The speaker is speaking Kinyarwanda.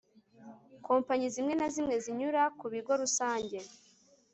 kompanyi zimwe na zimwe zinyura ku bigo rusange